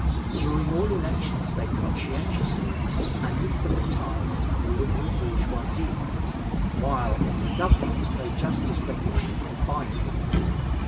During all elections they conscientiously anathematized the liberal bourgeoisie, while in the government they just as regularly combined with it.